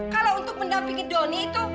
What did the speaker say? kalau untuk mendampingi doni itu